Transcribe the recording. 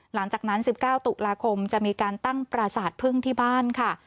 หลังจากนั้น๑๙ตุลาคมจะมีการตั้งปราสาทพึ่งที่บ้านค่ะ